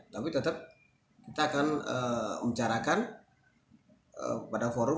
tapi tetap kita akan uncarkan pada forum